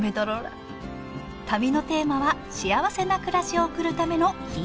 旅のテーマはしあわせな暮らしを送るためのヒント探し。